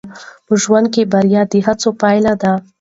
په ژوند کې بریا د هڅو پایله ده.